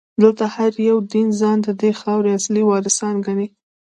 دلته هر یو دین ځان ددې خاورې اصلي وارثان ګڼي.